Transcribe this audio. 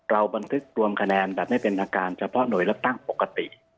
บันทึกรวมคะแนนแบบไม่เป็นอาการเฉพาะหน่วยเลือกตั้งปกติ